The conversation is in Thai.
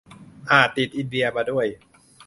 อาจติดอินเดียมาด้วย